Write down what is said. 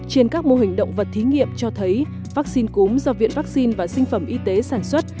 trên các mô hình động vật thí nghiệm cho thấy vắc xin cúm do viện vắc xin và sinh phẩm y tế sản xuất